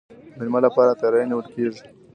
د میلمه لپاره تیاری نیول کیږي.